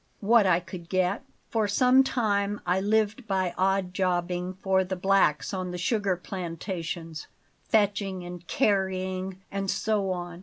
"What I could get. For some time I lived by odd jobbing for the blacks on the sugar plantations, fetching and carrying and so on.